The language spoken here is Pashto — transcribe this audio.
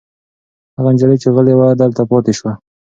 هغه نجلۍ چې غلې وه دلته پاتې شوه.